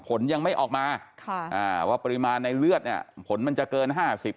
ผลยังไม่ออกมาค่ะอ่าว่าปริมาณในเลือดเนี้ยผลมันจะเกินห้าสิบ